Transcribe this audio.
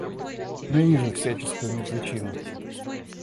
Ненавижу всяческую мертвечину!